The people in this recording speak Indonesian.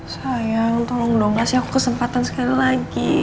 sayang tolong dong masih aku kesempatan sekali lagi